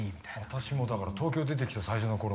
私もだから東京出てきた最初のころ